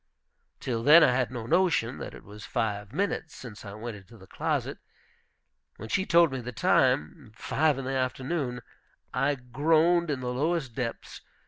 Till then I had no notion that it was five minutes since I went into the closet. When she told me the time, five in the afternoon, I groaned in the lowest depths.